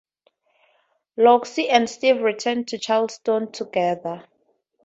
Loxi and Steve return to Charleston, together.